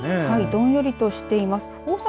どんよりとしています。